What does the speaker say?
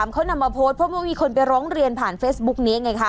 เขานำมาโพสต์เพราะว่ามีคนไปร้องเรียนผ่านเฟซบุ๊กนี้ไงคะ